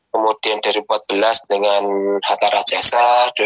kemudian dari dua ribu empat belas dengan hatta rajasa